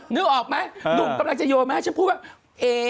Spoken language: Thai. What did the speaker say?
นึกออกไหมหนุ่มกำลังจะโยนมาให้ฉันพูดว่า